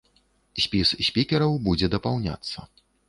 Спіс спікераў будзе дапаўняцца.